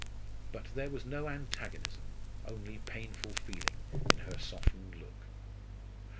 But there was no antagonism, only painful feeling in her softened look.